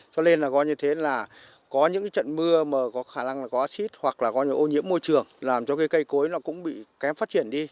cho nên là có những trận mưa có khả năng có acid hoặc là ô nhiễm môi trường làm cho cây cối cũng bị kém phát triển đi